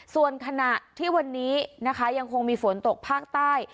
ส่วนขณะที่วันนี้นะคะยังคงมีฝนตกภาคใต้